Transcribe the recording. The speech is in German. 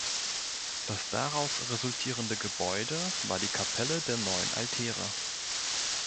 Das daraus resultierende Gebäude war die Kapelle der Neun Altäre.